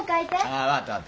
分かった。